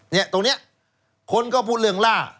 เนี่ยตรงเนี่ยคนก็พูดเรื่องล่า